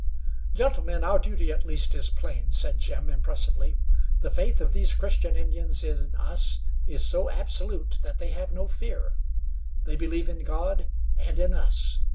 "Gentlemen, our duty at least is plain," said Jim, impressively. "The faith of these Christian Indians in us is so absolute that they have no fear. They believe in God, and in us.